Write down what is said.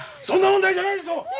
そんな問題じゃないでしょう！